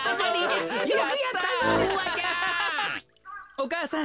お母さん。